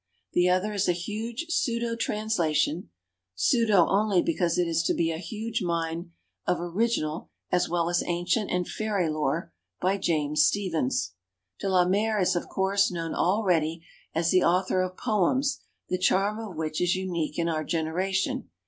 The other is a huge pseudo translation (pseudo only because it is to be a huge mine of original as well as ancient and fairy lore) by James Stephens. De la Mare is, of course, known already as the au thor of poems the charm of which is unique in our generation.